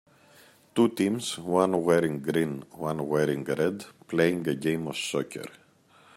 Two teams, one wearing green, one wearing red, playing a game of soccer.